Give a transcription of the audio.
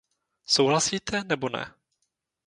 Souhlasíte, nebo ne?